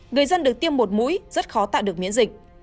người dân được tiêm một mũi rất khó tạo được miễn dịch